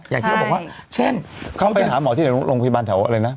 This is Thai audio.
อย่างที่บอกว่าเช่นเขาไปหาหมอที่โรงพยาบาลแถวอะไรนะ